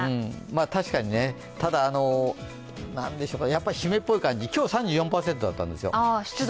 確かにね、ただ、やっぱり湿っぽい感じ。今日、３４％だったんですよ湿度。